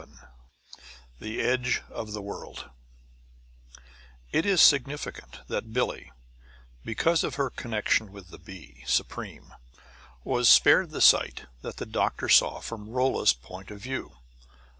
XI THE EDGE OF THE WORLD It is significant that Billie, because of her connection with the bee, Supreme, was spared the sight that the doctor saw from Rolla's point of view.